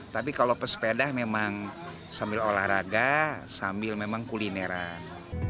tapi kalau pesepeda memang sambil olahraga sambil memang kulineran